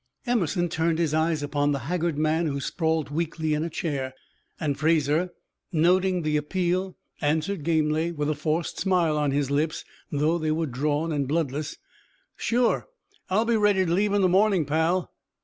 Emerson turned his eyes upon the haggard man who sprawled weakly in a chair; and Fraser, noting the appeal, answered, gamely, with a forced smile on his lips, though they were drawn and bloodless: "Sure! I'll be ready to leave in the morning, pal!"